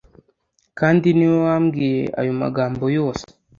kandi ni we wambwiye ayo magambo yose